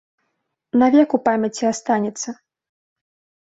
Навек у памяці астанецца.